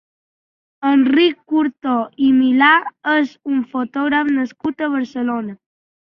Enric Curto i Milà és un fotògraf nascut a Barcelona.